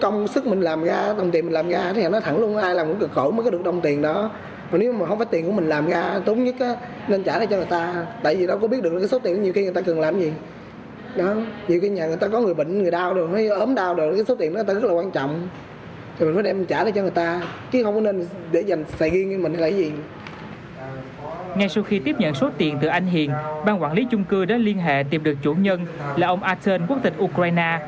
ngay sau khi tiếp nhận số tiền từ anh hiền ban quản lý chung cư đã liên hệ tìm được chủ nhân là ông aten quốc tịch ukraine